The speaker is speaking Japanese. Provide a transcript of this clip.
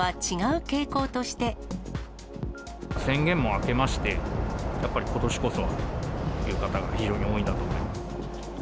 宣言も明けまして、やっぱりことしこそはという方が非常に多いんだと思います。